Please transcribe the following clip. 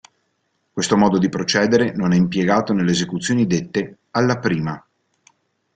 Questo modo di procedere non è impiegato nelle esecuzioni dette "alla prima".